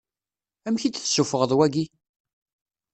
Amek i d-tessuffuɣeḍ wagi?